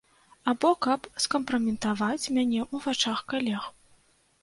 Або каб скампраметаваць мяне ў вачах калег.